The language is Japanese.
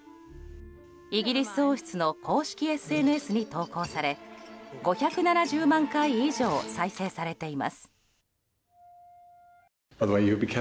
イギリス王室の公式ＳＮＳに投稿され５７０万回以上再生されています。